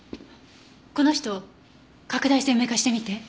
この人拡大鮮明化してみて。